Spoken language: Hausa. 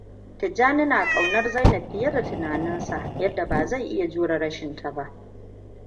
Tijjani na ƙaunar Zainabt fiye da tunaninsa, yadda ba zai iya jure rashinta ba.